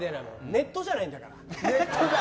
ネットじゃないんだから。